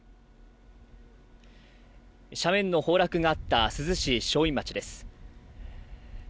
斜面の崩落があった珠洲市正院町です。